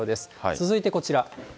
続いてこちら。